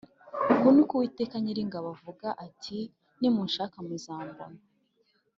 Uku ni ko Uwiteka Nyiringabo avuga ati nimunshaka muzambona